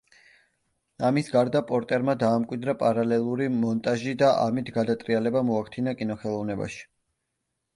ამის გარდა, პორტერმა დაამკვიდრა პარალელური მონტაჟი და ამით გადატრიალება მოახდინა კინოხელოვნებაში.